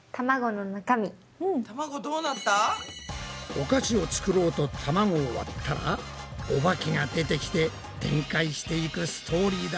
お菓子を作ろうとたまごを割ったらおばけが出てきて展開していくストーリーだ。